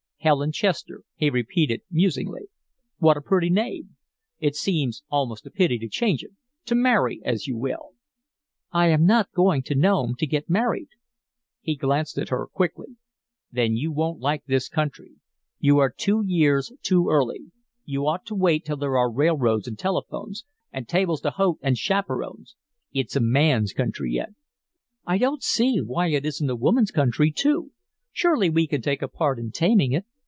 "Helen Chester," he repeated, musingly. "What a pretty name! It seems almost a pity to change it to marry, as you will." "I am not going to Nome to get married." He glanced at her quickly. "Then you won't like this country. You are two years too early; you ought to wait till there are railroads and telephones, and tables d'hote, and chaperons. It's a man's country yet." "I don't see why it isn't a woman's country, too. Surely we can take a part in taming it.